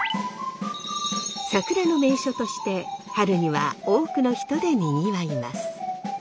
桜の名所として春には多くの人でにぎわいます。